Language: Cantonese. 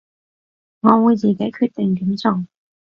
我會自己決定點做